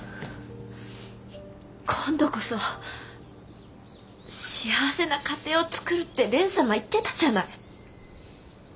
今度こそ幸せな家庭を作るって蓮様言ってたじゃない。